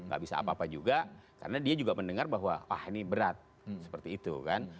gak bisa apa apa juga karena dia juga mendengar bahwa ah ini berat seperti itu kan